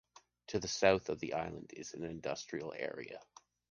To the south of the island is an industrial area.